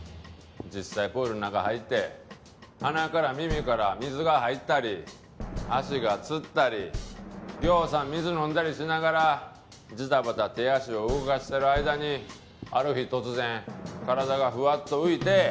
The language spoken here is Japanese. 実際プールん中入って鼻から耳から水が入ったり足がつったりぎょうさん水飲んだりしながらジタバタ手足を動かしてる間にある日突然体がフワッと浮いて泳げるようなんねん。